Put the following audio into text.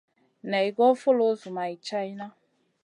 Naï goy foulou zoumay tchaïna.